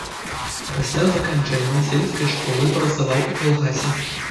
Пасля заканчэння сельскай школы працаваў у калгасе.